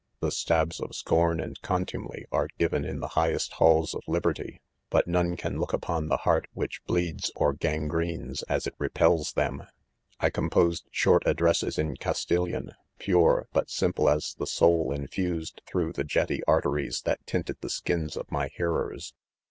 The stabs of scorn and contumely are giv en in the highest halls of liberty, but none!can look upon the heart which bleeds or gangrenes as it repels them ! 1 composed short addresses in Castilian, pure, but simple as the soul infused through the jetty arteries that tinted the skins of my hearers.